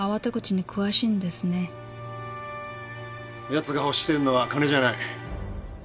奴が欲してるのは金じゃない。